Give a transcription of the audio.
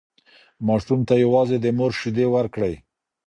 ماشوم ته یوازې د مور شیدې ورکړئ.